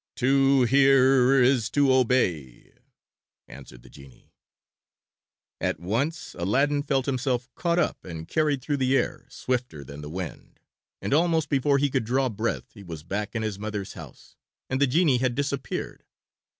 "To hear is to obey," answered the genie. At once Aladdin felt himself caught up and carried through the air swifter than the wind, and almost before he could draw breath he was back in his mother's house, and the genie had disappeared.